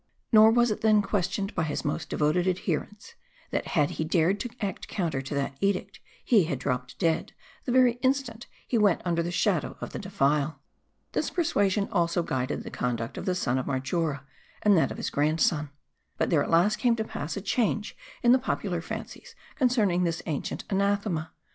Nor was it then questioned, by his most * devoted adherents, that had he dared to act counter to that edict, he had drop ped dead, the very instant he went under the shadow of the defile. This persuasion also guided the conduct of the son of Marjora, and that of his grandson. But there at last came to pass a change in the popular fancies concerning this ancient anathema.